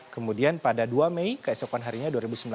kemudian pada dua mei keesokan harinya dua ribu sembilan belas